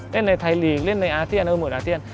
เล่นในไทยลีกเล่นในอาเซียนก็คือโหมดอาเซียน